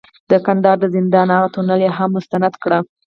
د کندهار د زندان هغه تونل یې هم مستند کړ،